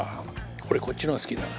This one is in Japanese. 俺こっちの方が好きだな。